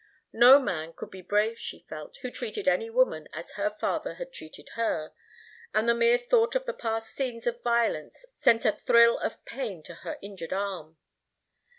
No man could be brave, she felt, who treated any woman as her father had treated her, and the mere thought of the past scenes of violence sent a thrill of pain to her injured arm.